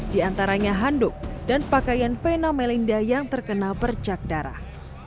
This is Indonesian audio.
di antaranya handuk dan pakaian vena melinda yang terkena percak darah